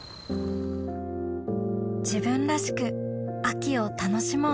自分らしく秋を楽しもう